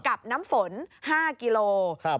กับน้ำฝน๕กิโลกรัม